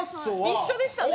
一緒でしたね。